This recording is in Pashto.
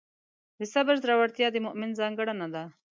د صبر زړورتیا د مؤمن ځانګړنه ده.